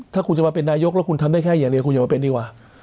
ถ้าคุณจะมาเป็นนายกแล้วคุณทำได้แค่อย่าเรียนคุณอย่ามาเป็นดีกว่า